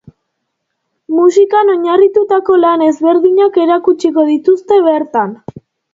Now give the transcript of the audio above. Musikan oinarritutako lan ezberdinak erakutsiko dituzte bertan.